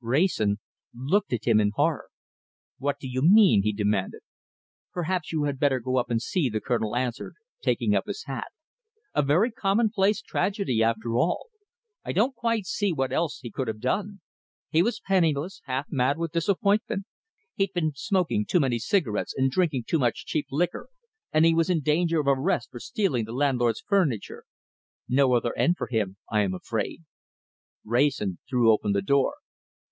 Wrayson looked at him in horror. "What do you mean?" he demanded. "Perhaps you had better go up and see," the Colonel answered, taking up his hat. "A very commonplace tragedy after all! I don't quite see what else he could have done. He was penniless, half mad with disappointment; he'd been smoking too many cigarettes and drinking too much cheap liquor, and he was in danger of arrest for selling the landlord's furniture. No other end for him, I am afraid." Wrayson threw open the door.